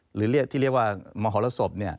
หรือที่เรียกว่ามหรสบ